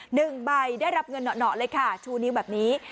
หนึ่งใบได้รับเงินหนอเลยค่ะชูนิ้วแบบนี้